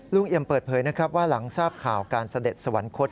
เอี่ยมเปิดเผยนะครับว่าหลังทราบข่าวการเสด็จสวรรคต